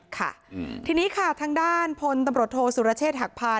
ค่ะทีนี้ค่ะทางด้านพลตำรวจโทษสุรเชษฐหักพา